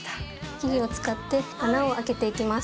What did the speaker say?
きりを使って穴を開けていきます。